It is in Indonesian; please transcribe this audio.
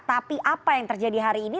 tapi apa yang terjadi hari ini